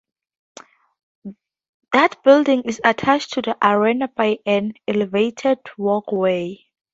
That building is attached to the arena by an elevated walkway.